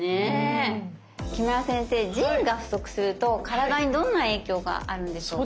木村先生腎が不足すると体にどんな影響があるんでしょうか？